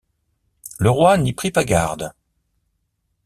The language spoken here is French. Le roi n’y prit pas garde.